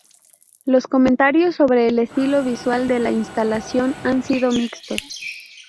Los comentarios sobre el estilo visual de la instalación han sido mixtos.